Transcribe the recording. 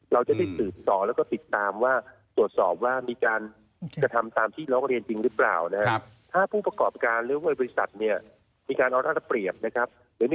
เราจะได้สื่อสอบแล้วก็ปริตามว่ากรรดิการอาการแบบนี้ทำตาม